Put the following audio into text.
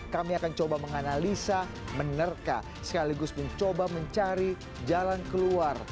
kami akan coba menganalisa menerka sekaligus mencoba mencari jalan keluar